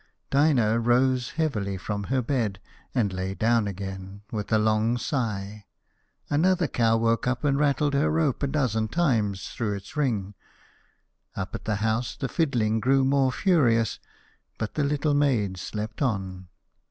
Dinah rose heavily from her bed and lay down again, with a long sigh; another cow woke up and rattled her rope a dozen times through its ring; up at the house the fiddling grew more furious; but the little maid slept on.